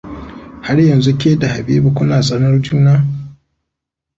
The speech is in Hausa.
Har yanzu ke da Habibu kuna tsanar juna?